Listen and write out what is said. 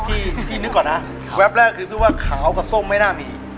พี่นึกก่อนนะแวบแรกคือพูดว่าขาวกับส้มไม่น่ามี